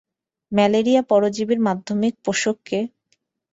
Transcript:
Malaria পরজীবীর মাধ্যমিক পোষক কে?